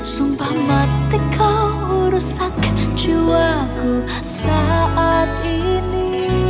sumpah mati kau rusakkan jiwaku saat ini